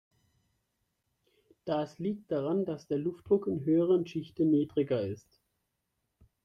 Das liegt daran, dass der Luftdruck in höheren Schichten niedriger ist.